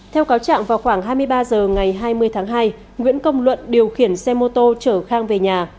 theo cáo trạng vào khoảng hai mươi ba h ngày hai mươi tháng hai nguyễn công luận điều khiển xe mô tô chở khang về nhà